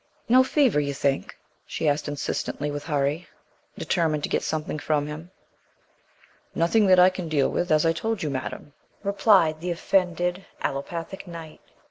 "No fever, you think?" she asked insistently with hurry, determined to get something from him. "Nothing that I can deal with, as I told you, Madam," replied the offended allopathic Knight.